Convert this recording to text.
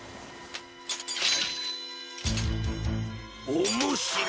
おもしろい！